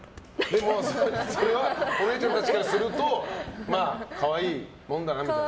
でもそれはお姉ちゃんたちからするとまあ可愛いもんだなみたいな。